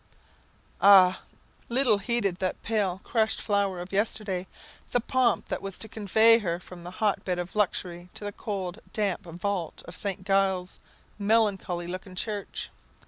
Ah, little heeded that pale crushed flower of yesterday, the pomp that was to convey her from the hot bed of luxury to the cold, damp vault of St. Giles's melancholy looking church!